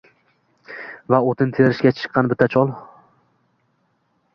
Va o’tin terishga chiqqan bitta chol.